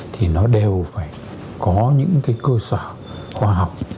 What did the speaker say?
thì nó đều phải có những cái cơ sở khoa học